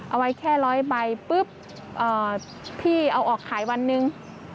เอาไว้แค่ร้อยใบปุ๊บพี่เอาออกขายวันหนึ่ง